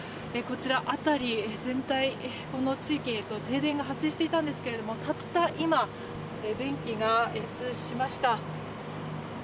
こちら辺り全体、この地域停電が発生したんですけれどもたった今、電気が開通しました。